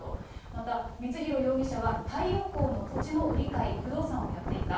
また、光弘容疑者は、太陽光の土地の売り買い、不動産をやっていた。